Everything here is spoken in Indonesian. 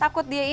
takut dia pecah